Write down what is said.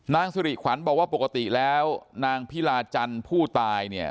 นางสิริขวัญบอกว่าปกติแล้วนางพิลาจันทร์ผู้ตายเนี่ย